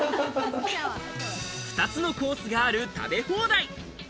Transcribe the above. ２つのコースがある食べ放題。